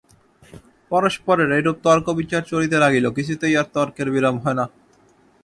পরস্পরের এইরূপ তর্কবিচার চলিতে লাগিল, কিছুতেই আর তর্কের বিরাম হয় না।